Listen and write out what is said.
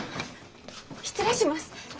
失礼します。